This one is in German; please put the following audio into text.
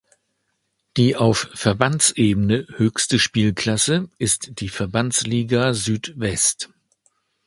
Die auf Verbandsebene höchste Spielklasse ist die Verbandsliga Südwest.